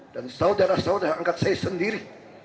dan saudara saudara angkat saya sendiri